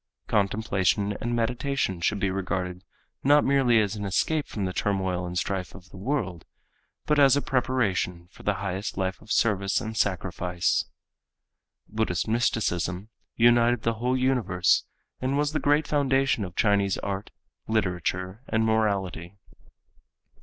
Contemplation and meditation should be regarded not merely as an escape from the turmoil and strife of the world, but as a preparation for the highest life of service and sacrifice. Buddhist mysticism united the whole universe and was the great foundation of Chinese art, literature and morality.